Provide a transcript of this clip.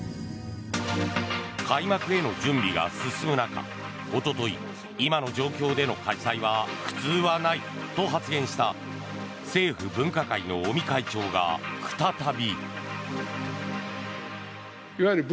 開幕への準備が進む中おととい、今の状況での開催は普通はないと発言した政府分科会の尾身会長が再び。